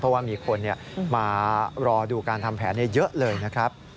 เพราะว่ามีคนมารอดูการทำแผนเยอะเลยนะครับ